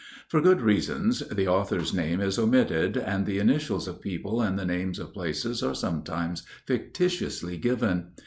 For good reasons the author's name is omitted, and the initials of people and the names of places are sometimes fictitiously given.